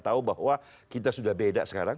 tahu bahwa kita sudah beda sekarang